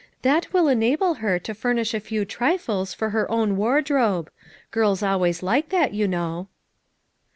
That will enable her to furnish a few trifles for her own wardrobe; girls always like that you know."